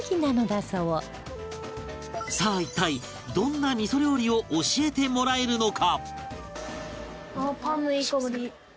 さあ一体どんな味噌料理を教えてもらえるのか？